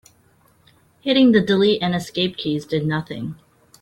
Hitting the delete and escape keys did nothing.